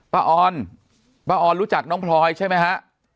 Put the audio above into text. ออนป้าออนรู้จักน้องพลอยใช่ไหมฮะ